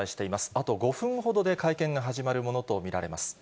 あと５分ほどで会見が始まるものと見られます。